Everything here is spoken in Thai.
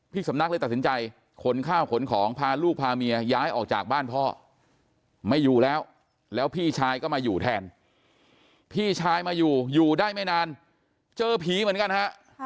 สำนักเลยตัดสินใจขนข้าวขนของพาลูกพาเมียย้ายออกจากบ้านพ่อไม่อยู่แล้วแล้วพี่ชายก็มาอยู่แทนพี่ชายมาอยู่อยู่ได้ไม่นานเจอผีเหมือนกันฮะ